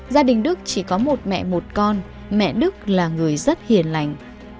gia đình đức chỉ có một mẹ một con mẹ đức là người rất hiền lành